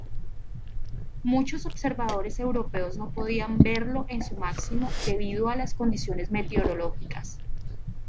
Muchos observadores europeos no pudieron verlo en su máximo debido a las condiciones meteorológicas.